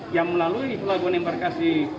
yang melalui pelaguan embarkasi